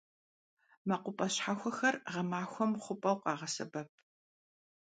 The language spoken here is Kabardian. МэкъупӀэ щхьэхуэхэр гъэмахуэм хъупӀэу къагъэсэбэп.